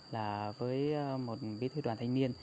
là với một viên thủy đoàn thanh niên